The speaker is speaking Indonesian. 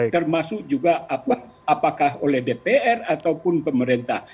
termasuk juga apakah oleh dpr ataupun pemerintah